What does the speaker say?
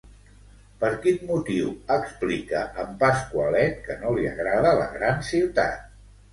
Per quin motiu explica en Pasqualet que no li agrada la gran ciutat?